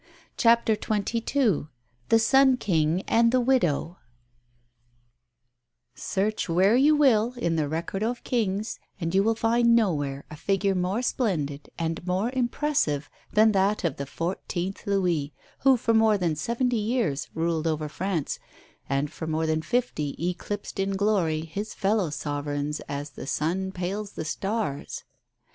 CHAPTER XXII THE "SUN KING" AND THE WIDOW Search where you will in the record of Kings, you will find nowhere a figure more splendid and more impressive than that of the fourteenth Louis, who for more then seventy years ruled over France, and for more than fifty eclipsed in glory his fellow sovereigns as the sun pales the stars.